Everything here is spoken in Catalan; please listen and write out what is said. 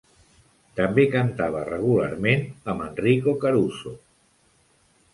També cantava regularment amb Enrico Caruso.